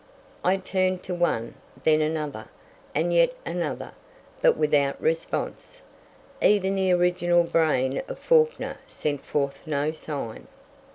I turned to one, then another, and yet another, but without response. Even the original brain of Fawkner sent forth no sign.